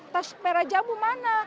tas pera jamu mana